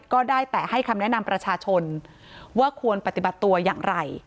ก็ได้แต่ให้คำแนะนำประชาชนว่าควรปฏิบัติตัวอย่างไร